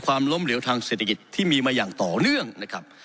ล้มเหลวทางเศรษฐกิจที่มีมาอย่างต่อเนื่องนะครับ